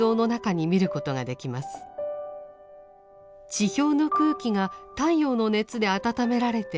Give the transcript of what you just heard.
地表の空気が太陽の熱で温められて上昇。